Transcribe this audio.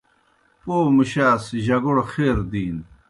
پَو مُشَاس جگوڑ خیر دِینوْ۔